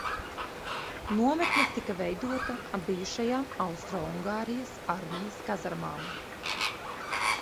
Nometne tika veidota ap bijušajām Austroungārijas armijas kazarmām.